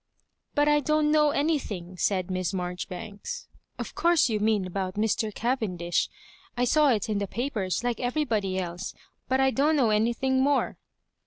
But I don't know anything," said Miss Mar joribanks. " Of course you mean about Mr. Ca vendish. I saw it in the papers, like everybody else, but I don't know anything more."